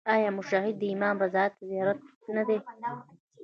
آیا مشهد د امام رضا زیارت نه دی؟